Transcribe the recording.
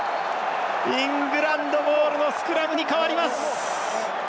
イングランドボールのスクラムに変わります。